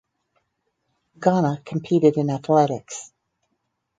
Ghana competed in athletics.